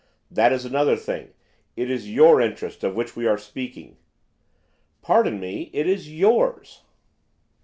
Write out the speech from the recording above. that is another thing; it is your interest of which we are speaking.' 'Pardon me, it is yours.